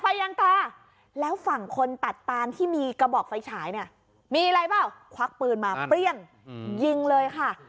ยังตาแล้วฝั่งคนตัดตานที่มีกระบอกไฟฉายเนี่ยมีอะไรเปล่าควักปืนมาเปรี้ยงยิงเลยค่ะ